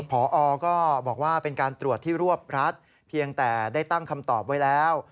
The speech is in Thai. พอก็บอกว่าเป็นการตรวจที่รวบรัดเพียงแต่ได้ตั้งคำตอบไว้แล้ว